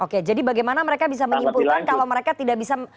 oke jadi bagaimana mereka bisa menyimpulkan kalau mereka tidak bisa